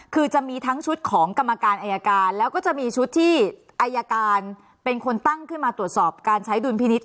คือจะมีทั้งชุดของกรรมการอายการแล้วก็จะมีชุดที่อายการเป็นคนตั้งขึ้นมาตรวจสอบการใช้ดุลพินิษฐ